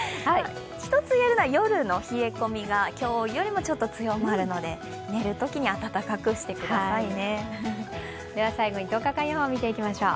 一つ言えるのは夜の冷え込みが今日よりもちょっと強まるので寝るときに暖かくしてくださいね。